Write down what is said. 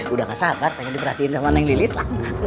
udah gak sabar pengen diperhatiin sama nenek lilis lah